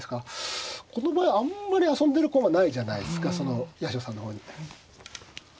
この場合あんまり遊んでる駒ないじゃないですか八代さんの方に。